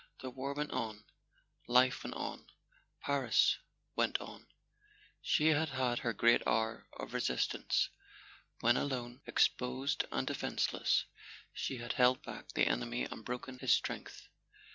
The war went on; life went on; Paris went on. She had had her great hour of resistance, when, alone, exposed and defenceless, she had held back the enemy and broken his strength.